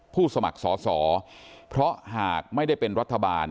สมัครสอสอเพราะหากไม่ได้เป็นรัฐบาล